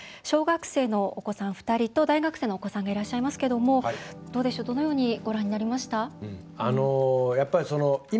小学生のお子さん２人と大学生のお子さんがいらっしゃいますけれどもどうでしょう、どのように